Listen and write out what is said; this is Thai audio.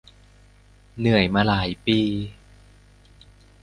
เหนื่อยมาหลายปี